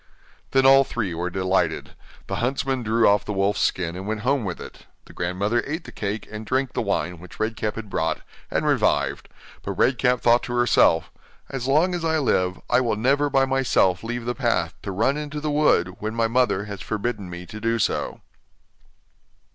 Then all three were delighted. The huntsman drew off the wolf's skin and went home with it; the grandmother ate the cake and drank the wine which Red Cap had brought, and revived, but Red Cap thought to herself: 'As long as I live, I will never by myself leave the path, to run into the wood, when my mother has forbidden me to do so.